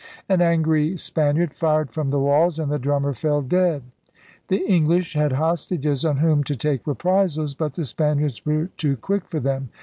An angry Spaniard fired from the walls and the drummer fell dead. The English had hostages on whom to take reprisals. But the Spaniards were too quick for them.